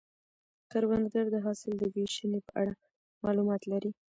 کروندګر د حاصل د ویشنې په اړه معلومات لري